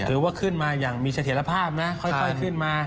ถือว่าขึ้นมาอย่างมีเสถียรภาพนะค่อยขึ้นมา